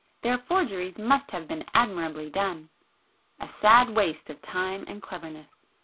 Their forgeries must have been admirably done!—a sad waste of time and cleverness.